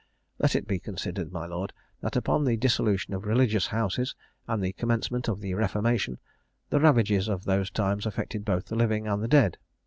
"Let it be considered, my lord, that, upon the dissolution of religious houses and the commencement of the Reformation, the ravages of those times affected both the living and the dead.